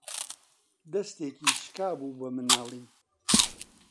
دەستێکی شکا بوو بە مناڵی